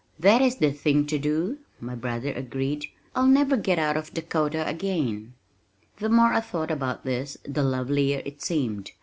"That is the thing to do," my brother agreed. "I'll never get out to Dakota again." The more I thought about this the lovelier it seemed.